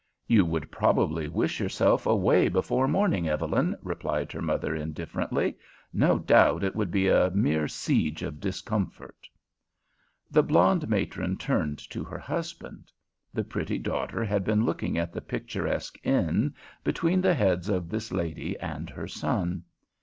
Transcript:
"You would probably wish yourself away before morning, Evelyn," replied her mother indifferently. "No doubt it would be a mere siege of discomfort." The blonde matron turned to her husband. The pretty daughter had been looking at the picturesque "inn" between the heads of this lady and her son.